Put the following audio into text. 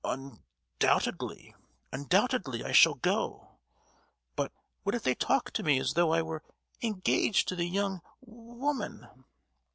"Un—doubtedly, undoubtedly—I shall go;—but what if they talk to me as though I were engaged to the young wo—oman?"